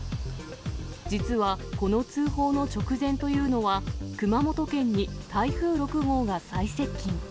実は、この通報の直前というのは、熊本県に台風６号が最接近。